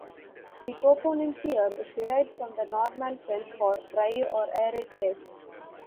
The toponym "Seer" is derived from the Norman French for "dry or arid place".